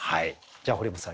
じゃあ堀本さん